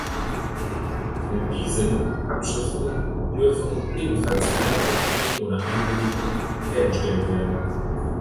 Von diesen Abschriften dürfen ebenfalls keine Kopien ohne Einwilligung hergestellt werden.